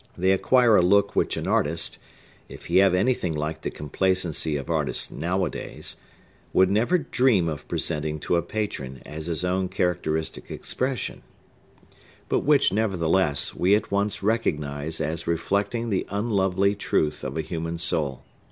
They acquire a look which an artist (if he have anything like the complacency of artists nowadays) would never dream of presenting to a patron as his own characteristic expression, but which, nevertheless, we at once recognize as reflecting the unlovely truth of a human soul.